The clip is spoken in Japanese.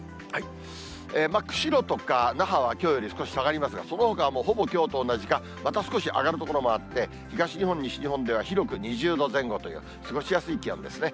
釧路とか那覇はきょうより少し下がりますが、そのほかはほぼきょうと同じか、また少し上がる所もあって、東日本、西日本では広く２０度前後という過ごしやすい気温ですね。